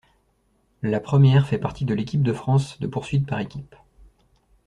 La première fait partie de l'équipe de France de poursuite par équipes.